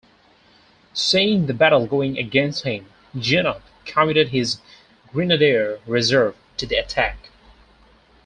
Seeing the battle going against him, Junot committed his grenadier reserve to the attack.